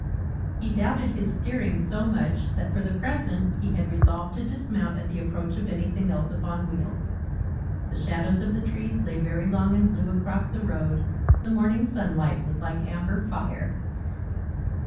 He doubted his steering so much that, for the present, he had resolved to dismount at the approach of anything else upon wheels. The shadows of the trees lay very long and blue across the road, the morning sunlight was like amber fire.